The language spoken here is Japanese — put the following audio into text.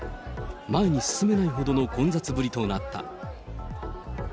前に進めないほどの混雑ぶりとなった。